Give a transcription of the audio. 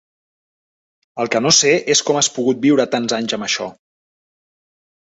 El que no sé és com has pogut viure tants anys amb això.